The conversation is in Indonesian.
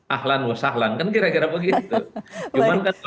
ahlan wa sahlan kan kira kira begitu